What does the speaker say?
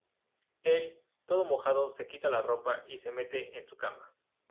Él, todo mojado, se quita la ropa y se mete en la cama.